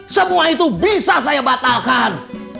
semua itu bisa saya batalkan